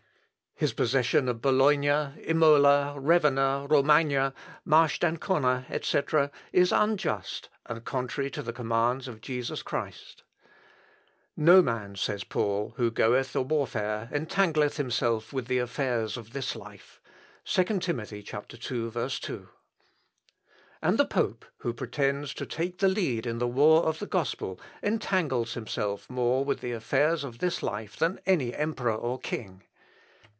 His possession of Bologna, Imola, Ravenna, Romagna, Marche d'Ancona, etc., is unjust and contrary to the commands of Jesus Christ. 'No man,' says St. Paul, 'who goeth a warfare entangleth himself with the affairs of this life,' (2 Tim. ii, 2). And the pope, who pretends to take the lead in the war of the gospel, entangles himself more with the affairs of this life than any emperor or king.